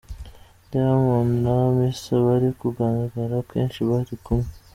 Diamond na Hamisa bari kugaragara kenshi bari kumwe.